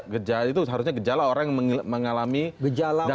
gejala itu seharusnya gejala orang yang mengalami gangguan pendengaran